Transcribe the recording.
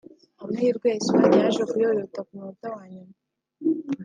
Amahirwe ya Espagne yaje kuyoyoka ku munota wa nyuma